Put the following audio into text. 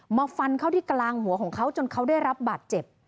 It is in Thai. มาฟันเข้าที่กลางหัวของเขาจนเขาได้รับบาดเจ็บ